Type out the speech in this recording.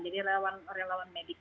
jadi relawan relawan medis